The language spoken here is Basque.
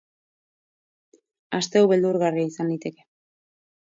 Aste hau beldurgarria izan liteke.